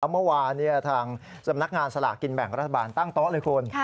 เมื่อวานทางสำนักงานสลากกินแบ่งรัฐบาลตั้งโต๊ะเลยคุณ